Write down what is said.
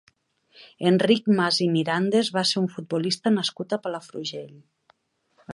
Enric Mas i Mirandes va ser un futbolista nascut a Palafrugell.